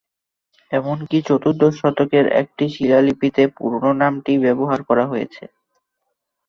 এমনকি চতুর্দশ শতকের একটি শিলালিপিতে পুরনো নামটিই ব্যবহার করা হয়েছে।